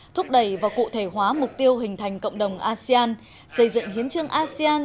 thúc đẩy và cụ thể hóa mục tiêu hình thành cộng đồng asean xây dựng hiến trương asean